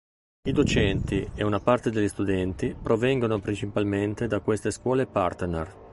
I docenti e una parte degli studenti provengono principalmente da queste scuole partner.